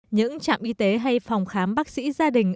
những trạm y tế hay phòng khám bác sĩ gia đình